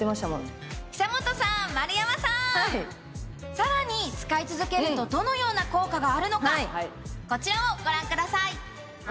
さらに使い続けるとどのような効果があるのかこちらをご覧ください。